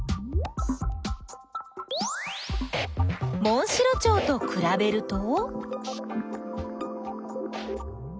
モンシロチョウとくらべると？